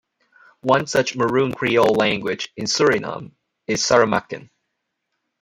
One such Maroon Creole language, in Suriname, is Saramaccan.